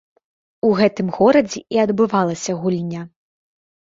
У гэтым горадзе і адбывалася гульня.